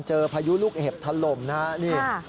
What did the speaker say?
เจอพายุลูกเห็บทะลมนะครับ